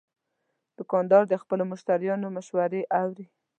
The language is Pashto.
دوکاندار د خپلو مشتریانو مشورې اوري.